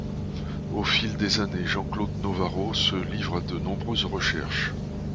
Au fil des années, Jean-Claude Novaro se livre à de nombreuses recherches.